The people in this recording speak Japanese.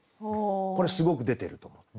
これすごく出てると思って。